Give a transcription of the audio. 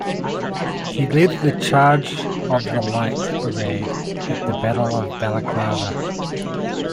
He led the Charge of the Light Brigade at the Battle of Balaclava.